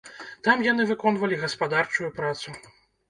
Там яны выконвалі гаспадарчую працу.